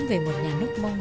về một nhà nước mong